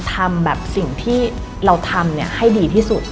ทำแบบสิ่งที่เราทำให้ดีที่สุด